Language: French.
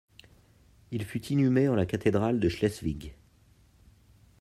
Il fut inhumé en la cathédrale de Schleswig.